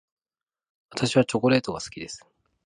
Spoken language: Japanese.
私はチョコレートが好きです。